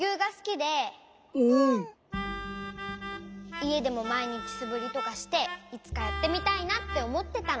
いえでもまいにちすぶりとかしていつかやってみたいなっておもってたの。